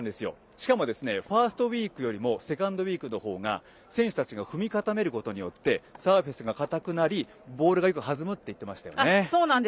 しかもファーストウイークよりセカンドウイークのほうが選手たちが踏み固めることによってサーフェスが硬くなりボールが弾むといってましたね。